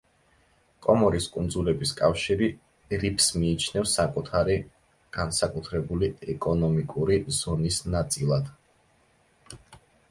კომორის კუნძულების კავშირი რიფს მიიჩნევს საკუთარი განსაკუთრებული ეკონომიკური ზონის ნაწილად.